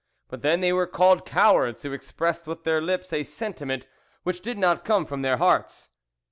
but then they were called cowards who expressed with their lips a sentiment which did not come from their hearts.